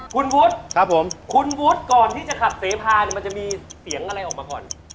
คุณวุชคุณวุชก่อนที่จะขัดเสภามันจะมีเสียงอะไรออกมาก่อน